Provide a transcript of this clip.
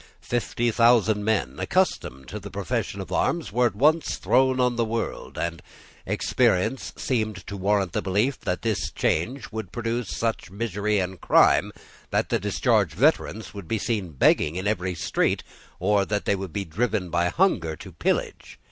Fifty thousand men, accustomed to the profession of arms, were at once thrown on the world: and experience seemed to warrant the belief that this change would produce much misery and crime, that the discharged veterans would be seen begging in every street, or that they would be driven by hunger to pillage.